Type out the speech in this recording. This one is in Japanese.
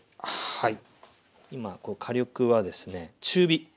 はい。